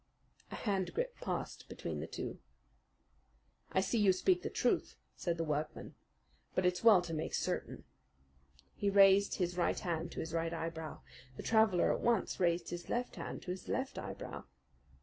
A hand grip passed between the two. "I see you speak the truth," said the workman. "But it's well to make certain." He raised his right hand to his right eyebrow. The traveller at once raised his left hand to his left eyebrow.